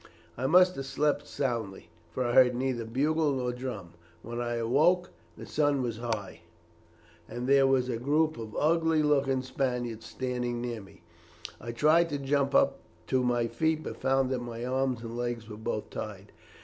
I must have slept soundly, for I heard neither bugle nor drum. When I awoke the sun was high, and there was a group of ugly looking Spaniards standing near me. I tried to jump up on to my feet, but found that my arms and legs were both tied.